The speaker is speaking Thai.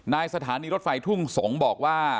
สถานีรถไฟทุ่งสงศ์บอกว่า